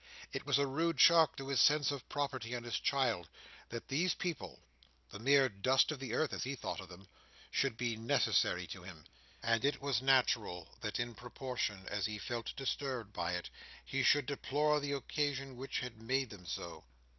It was a rude shock to his sense of property in his child, that these people—the mere dust of the earth, as he thought them—should be necessary to him; and it was natural that in proportion as he felt disturbed by it, he should deplore the occurrence which had made them so.